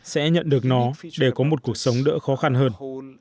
sẽ nhận được nó để có một cuộc sống đỡ khó khăn hơn